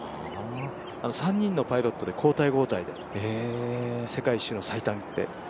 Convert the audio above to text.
３人のパイロットで交代、交代で世界一周の最短で。